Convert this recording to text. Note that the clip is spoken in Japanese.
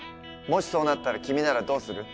もしそうなったら君ならどうする？